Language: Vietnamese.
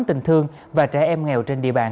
tình thương và trẻ em nghèo trên địa bàn